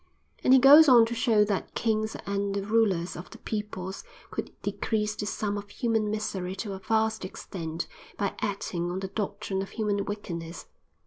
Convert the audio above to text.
And he goes on to show that kings and the rulers of the peoples could decrease the sum of human misery to a vast extent by acting on the doctrine of human wickedness.